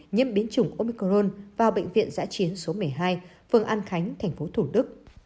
nhiễm biến chủng omicron vào bệnh viện giã chiến số một mươi hai phường an khánh tp thủ đức